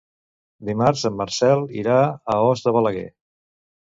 Dimarts en Marcel irà a Os de Balaguer.